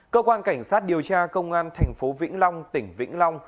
cơ quan cảnh sát điều tra công an tp vĩnh long tỉnh vĩnh long